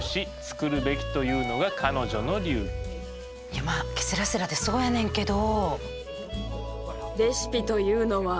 いやまあケセラセラってそうやねんけど。